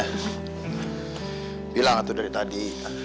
hilang tuh dari tadi